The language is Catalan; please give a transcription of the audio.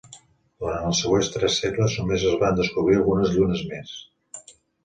Durant els següents tres segles només es van descobrir algunes llunes més.